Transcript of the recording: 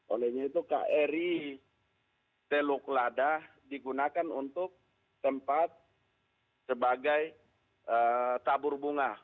olehnya itu kri teluk lada digunakan untuk tempat sebagai tabur bunga